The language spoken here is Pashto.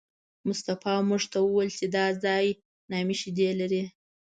مصطفی موږ ته وویل چې دا ځای نامي شیدې لري.